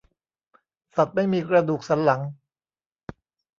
สัตว์ไม่มีกระดูกสันหลัง